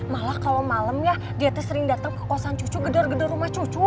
malah kalo malemnya dia tuh sering dateng ke kosan cucu gedar gedar rumah cucu